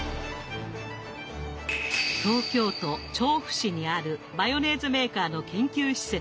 東京都調布市にあるマヨネーズメーカーの研究施設。